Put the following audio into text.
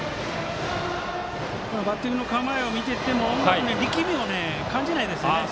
バッティングの構えを見ていても力みを感じないですね。